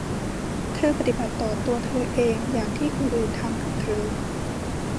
เธอปฏิบัติต่อตัวเธอเองอย่างที่คนอื่นทำกับเธอ